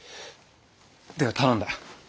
では頼んだ。